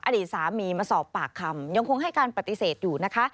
อดีตสามีมาสอบปากคำยังคงให้การปฏิเสธอยู่นะคะ